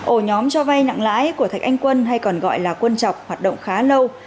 ổ nhóm cho vay nặng lãi của thạch anh quân hay còn gọi là quân trọng hoạt động khá lâu